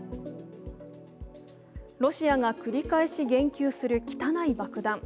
ロシアが繰り返し言及する汚い爆弾。